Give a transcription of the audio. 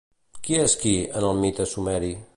Qui és Ki en el mite sumeri?